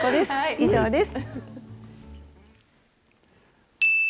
以上です。